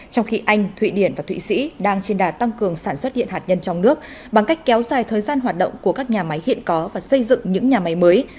trong khi anh thụy điển và thụy sĩ đang trên đà tăng cường sản xuất điện hạt nhân trong nước bằng cách kéo dài thời gian hoạt động của các nhà máy hiện có và xây dựng những nhà máy mới